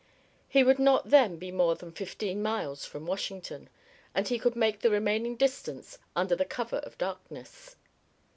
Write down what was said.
He would not then be more than fifteen miles from Washington, and he could make the remaining distance under the cover of darkness.